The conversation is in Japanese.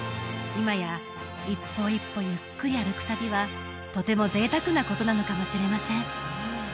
今や一歩一歩ゆっくり歩く旅はとても贅沢なことなのかもしれません